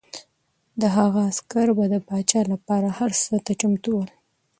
د هغه عسکر به د پاچا لپاره هر څه ته چمتو ول.